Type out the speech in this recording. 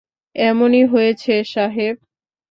এমনই হয়েছে, সাহেব।